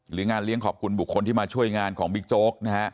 งานเลี้ยงขอบคุณบุคคลที่มาช่วยงานของบิ๊กโจ๊กนะฮะ